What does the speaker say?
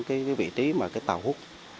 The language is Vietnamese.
cái vị trí mà cái tàu hút